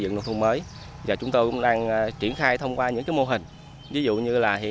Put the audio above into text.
dựng nông thôn mới và chúng tôi cũng đang triển khai thông qua những mô hình ví dụ như là hiện